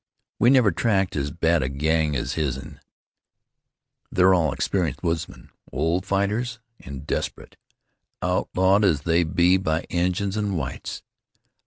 We never tackled as bad a gang as his'n; they're all experienced woodsmen, old fighters, an' desperate, outlawed as they be by Injuns an' whites.